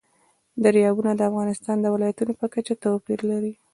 دریابونه د افغانستان د ولایاتو په کچه توپیر لري.